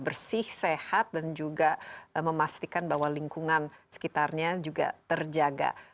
bersih sehat dan juga memastikan bahwa lingkungan sekitarnya juga terjaga